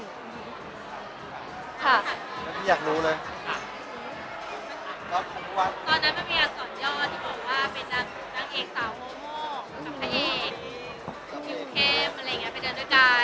ตอนนั้นมันมีอาสดยอดที่บอกว่าด้านหนังเอกเตาโง่ด้านหนังเอกเชียวเข้มไปเดินด้วยกัน